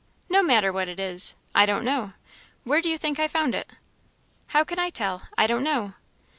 "No matter what it is I don't know; where do you think I found it?" "How can I tell? I don't know."